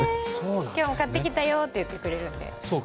今日も買ってきたよって言ってくれるので。